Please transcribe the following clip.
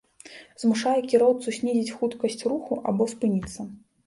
змушае кіроўцу знізіць хуткасць руху або спыніцца